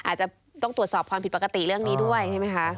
อาจจะต้องตรวจสอบความผิดปกติเรื่องนี้ด้วยใช่ไหมคะ